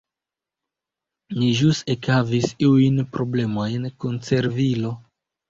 Ni ĵus ekhavis iujn problemojn kun servilo.